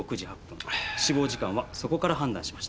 死亡時間はそこから判断しました。